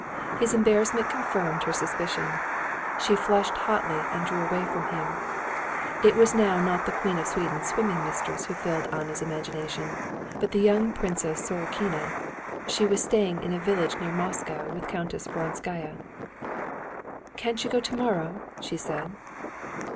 His embarrassment confirmed her suspicion. She flushed hotly and drew away from him. It was now not the Queen of Sweden's swimming mistress who filled Anna's imagination, but the young Princess Sorokina. She was staying in a village near Moscow with Countess Vronskaya. "Can't you go tomorrow?" she said.